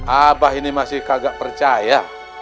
abah ini masih kagak percaya